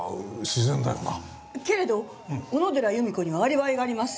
けれど小野寺由美子にはアリバイがあります。